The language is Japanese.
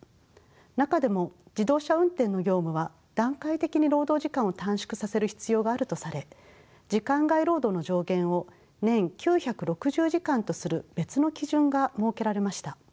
中でも自動車運転の業務は段階的に労働時間を短縮させる必要があるとされ時間外労働の上限を年９６０時間とする別の基準が設けられました。